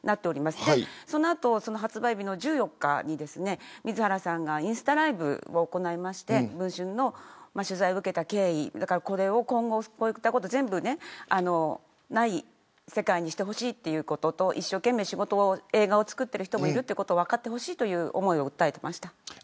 その後、発売日の１４日に水原さんがインスタライブを行いまして文春の取材を受けた経緯今後、こういったことを全部ない世界にしてほしいということと一生懸命、映画を作っている人もいることを分かってほしいという思いを訴えていました。